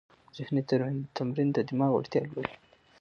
ذهني تمرین د دماغ وړتیا لوړوي.